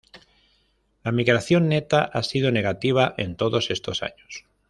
La migración neta ha sido negativa en todos estos años.